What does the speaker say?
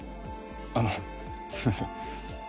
あのすいません